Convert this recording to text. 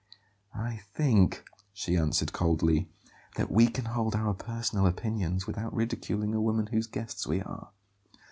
"I think," she answered coldly, "that we can hold our personal opinions without ridiculing a woman whose guests we are."